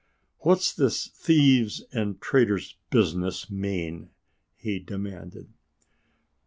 "What's this thieves and traitors business mean?" he demanded.